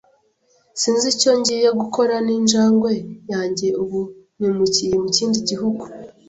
Sinzi icyo ngiye gukora ninjangwe yanjye ubu nimukiye mu kindi gihugu.